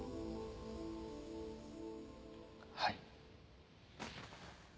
はい。